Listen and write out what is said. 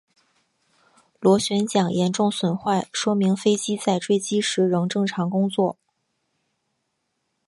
螺旋桨严重损坏说明飞机在坠机时仍正常工作。